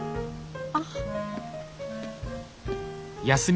あっ。